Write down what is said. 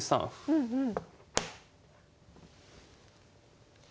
うんうん。